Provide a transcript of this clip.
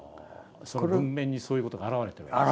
それは文面にそういうことが表れてるわけですか？